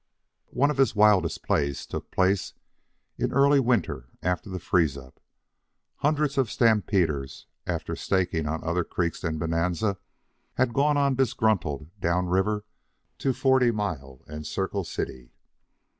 One of his wildest plays took place in the early winter after the freeze up. Hundreds of stampeders, after staking on other creeks than Bonanza, had gone on disgruntled down river to Forty Mile and Circle City.